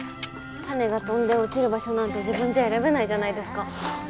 種が飛んで落ちる場所なんて自分じゃ選べないじゃないですか。